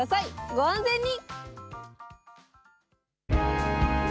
ご安全に！